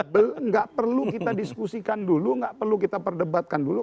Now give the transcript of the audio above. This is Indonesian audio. tidak perlu kita diskusikan dulu nggak perlu kita perdebatkan dulu